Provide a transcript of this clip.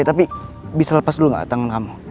tapi bisa lepas dulu nggak tangan kamu